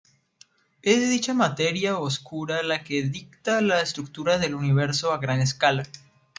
Es dicha materia oscura la que dicta la estructura del universo a gran escala.